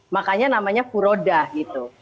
makanya namanya puroda gitu